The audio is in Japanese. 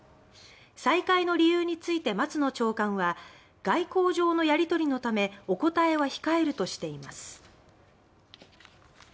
再開の理由について松野長官は外交上のやり取りのためお答えは控えるとしています。